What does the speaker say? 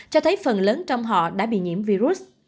cho thấy phần lớn trong họ đã bị nhiễm virus